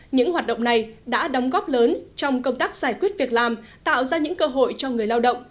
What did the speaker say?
những hoạt động này đã đóng góp lớn trong công tác giải quyết việc làm tạo ra những cơ hội cho người lao động